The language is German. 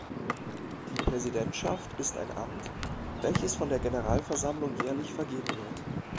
Die Präsidentschaft ist ein Amt, welches von der Generalversammlung jährlich vergeben wird.